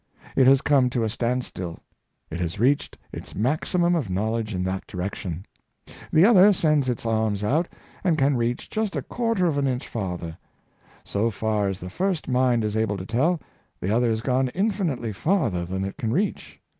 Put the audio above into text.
It has come to a standstill. It has reached its maximum of knowledge in that direction. The other sends its arms out, and can reach just a quarter of an inch far ther. So far as the first mind is able to tell, the other has gone infinitely farther than it can reach.